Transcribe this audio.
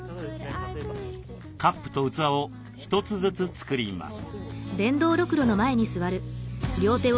カップと器を一つずつ作ります。